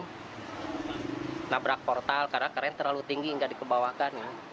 dia nabrak portal karena keren terlalu tinggi tidak dikebawakan